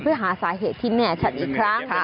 อันต่อนะคะสาเหตุที่แชดอีกครั้ง